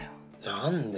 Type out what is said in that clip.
何で。